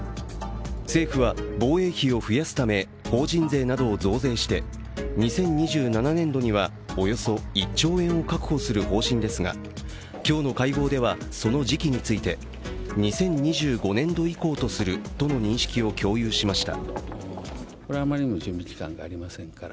政府は防衛費を増やすため法人税などを増税して２０２７年度には、およそ１兆円を確保する方針ですが今日の会合では、その時期について２０２５年度以降とするとの認識を共有しました。